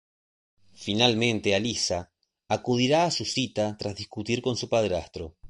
Finalmente Alyssa acudirá a su cita tras discutir con su padrastro.